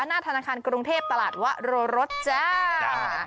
หน้าธนาคารกรุงเทพตลาดวะโรรสจ้า